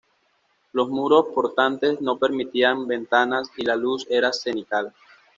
Los muros portantes no permitían ventanas, y la luz era cenital.